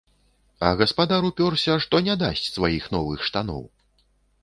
А гаспадар упёрся, што не дасць сваіх новых штаноў.